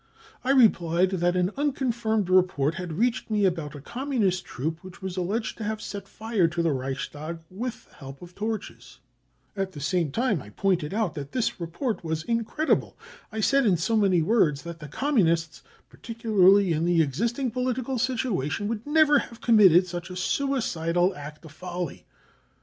I replied that an I unconfirmed report had reached me about a Communist I • troop which was alleged to have set fire to the Reich stag with the help of torches. At the same time I pointed i* 1 j # 126 BROWN BOOK OF THE HITLER TERROR out that this report was incredible. I said in so many # 4 words that the Communists, particularly in the existing political situation, would never have committed such a suicidal act of folly.